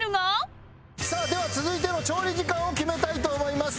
さあでは続いての調理時間を決めたいと思います。